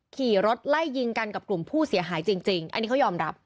ขี่รถไล่ยิงกันกับกลุ่มผู้เสียหายจริงอันนี้เขายอมรับ